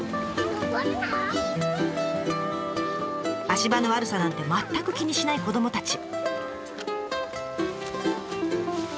足場の悪さなんて全く気にしない子どもたち。